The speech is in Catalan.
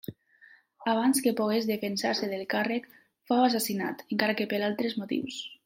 Abans que pogués defensar-se del càrrec fou assassinat, encara que per altres motius.